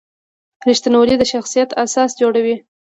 رښتینولي د شخصیت اساس جوړوي.